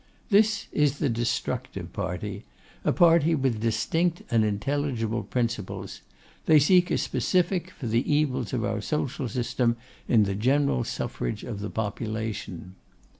This is the destructive party; a party with distinct and intelligible principles. They seek a specific for the evils of our social system in the general suffrage of the population.